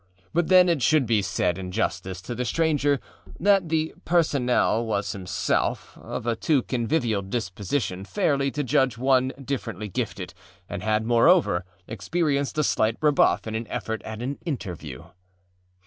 â But then it should be said in justice to the stranger that the personnel was himself of a too convivial disposition fairly to judge one differently gifted, and had, moreover, experienced a slight rebuff in an effort at an âinterview.